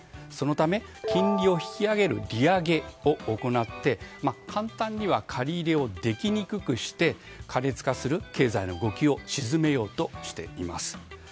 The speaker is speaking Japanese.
そのため金利を引き上げる利上げを行って簡単には借り入れをできにくくして過熱化する経済の動きをしずめようとしています。